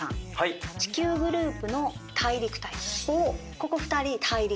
ここ２人大陸。